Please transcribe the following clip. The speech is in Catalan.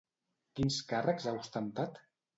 Quins càrrecs ha ostentat?